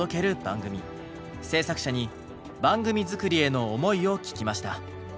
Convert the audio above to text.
制作者に番組作りへの思いを聞きました。